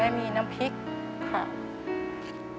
แต่ที่แม่ก็รักลูกมากทั้งสองคน